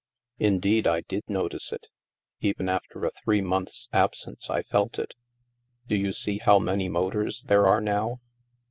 '*" Indeed, I did notice it. Even after a three months' absence, I felt it. Do you see how many motors there are now